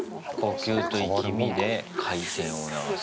呼吸と、いきみで回転を促すのか。